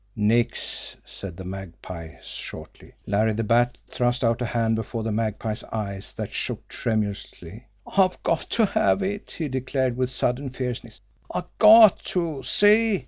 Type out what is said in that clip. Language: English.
"Nix!" said the Magpie shortly. Larry the Bat thrust out a hand before the Magpie's eyes that shook tremulously. "I got to have it!" he declared, with sudden fierceness. "I GOT to see!